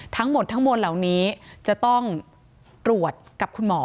ทั้งหมดทั้งมวลเหล่านี้จะต้องตรวจกับคุณหมอ